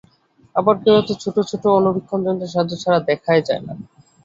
আবার কেউ এত ছোট যে অনুবীক্ষণ যন্ত্রের সাহায্য ছাড়া দেখাই যায় না।